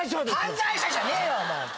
犯罪者じゃねえよ！